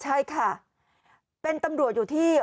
ใช่ค่ะเป็นตำรวจอยู่ที่